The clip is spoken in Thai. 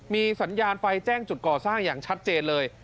มีสัญญาณไฟแจ้งจุดก่อสร้างอย่างชัดเจนเลย